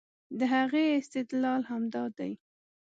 د هغې استدلال همدا دی